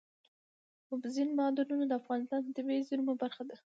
اوبزین معدنونه د افغانستان د طبیعي زیرمو برخه ده.